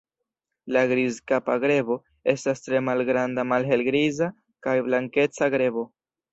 La Grizkapa grebo estas tre malgranda malhelgriza kaj blankeca grebo.